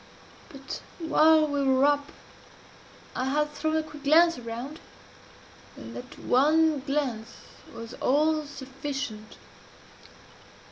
But while we were up I had thrown a quick glance around and that one glance was all sufficient.